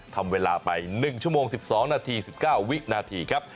ทำเวลาไป๑ชั่วโมง๑๒นาที๑๙วินาทีครับ